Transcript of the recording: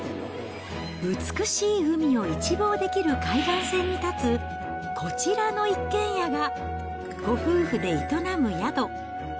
美しい海を一望できる海岸線に建つ、こちらの一軒家が、ご夫婦で営む宿。